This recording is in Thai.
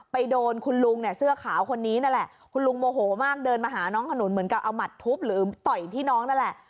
โดนคุณลุงเนี่ยเสื้อขาวคนนี้นั่นแหละคุณลุงโมโหมากเดินมาหาน้องขนุนเหมือนกับเอาหมัดทุบหรือต่อยที่น้องนั่นแหละ